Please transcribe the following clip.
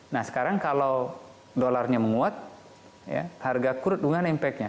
nah sekarang kalau dolarnya menguat harga crude dengan impactnya